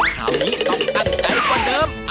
คราวนี้ต้องตั้งใจกว่าเดิม